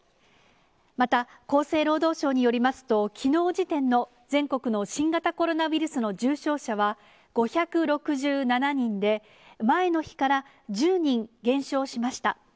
また厚生労働省によりますと、きのう時点の全国の新型コロナウイルスの重症者は５６７人で、前の日から１０人減少しました。